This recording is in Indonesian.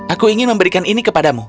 aku ingin memberikan ini kepadamu